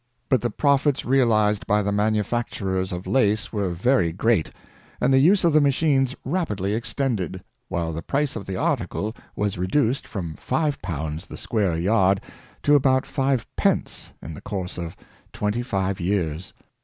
But the profits realized by the manufacturers of lace were very great, and the use of the machines rapidly extended, while the price of the article was reduced from five pounds the square yard to about five pence in the course of twenty five years.